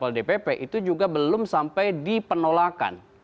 kalau dpp itu juga belum sampai dipenolakan